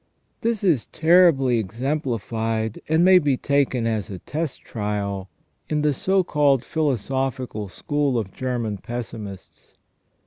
This is terribly exemplified, and may be taken as a test trial, in the so called philosophical school of German pessimists.